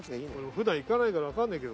普段行かないから分かんないけど。